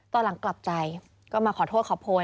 ตอนหลังกลับใจก็มาขอโทษขอโพย